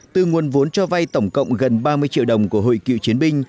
từ nguồn vốn cho vay tổng cộng gần ba mươi triệu đồng của hội cựu chiến binh